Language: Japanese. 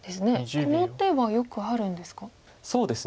この手はよくあるんですか？